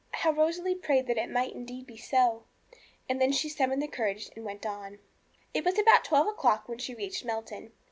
How Rosalie prayed that it might indeed be so! And then she summoned courage and went on. It was about twelve o'clock when she reached Melton.